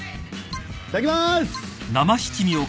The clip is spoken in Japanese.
いただきます！